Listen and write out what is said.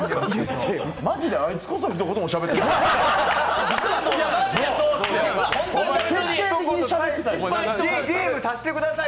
マジで、あいつこそひと言もしゃべってない。